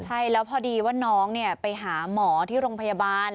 ใช่แล้วพอดีว่าน้องไปหาหมอที่โรงพยาบาล